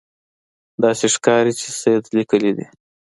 داسې ښکاري چې سید لیکلي دي.